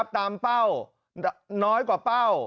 เป้าน้อยกว่าเป้า